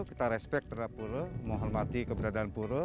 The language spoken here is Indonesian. kita respect terhadap pura menghormati keberadaan pura